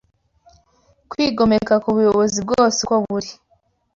kwigomeka ku buyobozi bwose uko buri